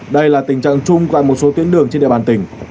đây là tình trạng chung tại một số tuyến đường trên địa bàn tỉnh